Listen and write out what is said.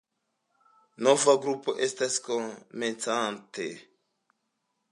Nova grupo estas komencante.